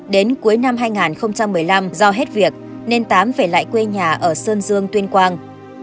đến cuối năm hai nghìn một mươi năm do hết việc nên tám về lại quê nhà ở sơn dương tuyên quang